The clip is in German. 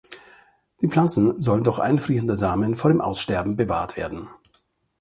Die Pflanzen sollen durch Einfrieren der Samen vor dem Aussterben bewahrt werden.